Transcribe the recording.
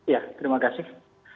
ya terima kasih